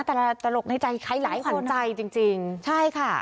แต่ละตลกในใจใครหลายคนใจจริงจริงใช่ค่ะ